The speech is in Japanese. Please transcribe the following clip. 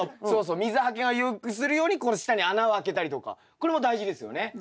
そうそう水はけをよくするようにこの下に穴をあけたりとかこれも大事ですよね？